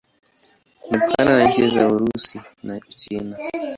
Imepakana na nchi za Urusi na Uchina.